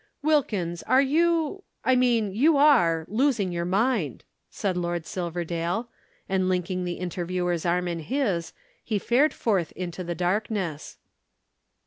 "Wilkins, are you I mean you are losing your head," said Lord Silverdale. And linking the interviewer's arm in his, he fared forth into the darkness.